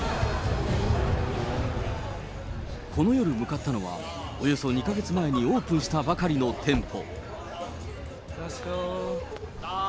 この夜向かったのは、およそ２か月前にオープンしたばかりの店舗。